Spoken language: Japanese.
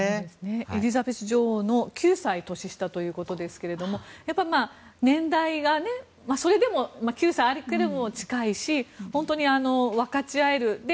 エリザベス女王の９歳年下ということですけれども９歳開いてても年代が近いし本当に分かち合える。